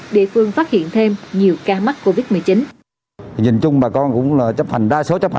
địa phương phát hiện thêm nhiều ca mắc covid một mươi chín